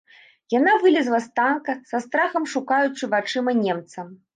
Яна вылезла з танка, са страхам шукаючы вачыма немца.